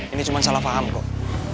ini cuma salah faham kok